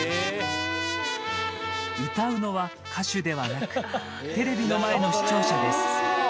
歌うのは、歌手ではなくテレビの前の視聴者です。